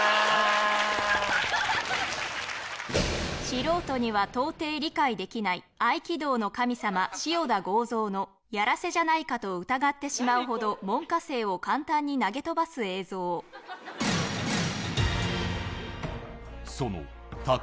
素人には到底理解できない合気道の神様塩田剛三のやらせじゃないか？と疑ってしまうほど門下生を簡単に投げ飛ばす映像ヤァ！